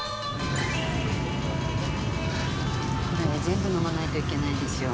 これを全部飲まないといけないんですよ。